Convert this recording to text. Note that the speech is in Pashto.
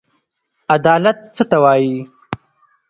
عدالت څه ته وايي.